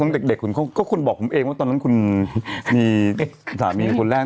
เด็กคุณก็คุณบอกผมเองว่าตอนนั้นคุณมีสามีคนแรก